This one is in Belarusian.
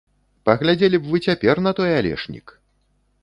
Паглядзелі б вы цяпер на той алешнік!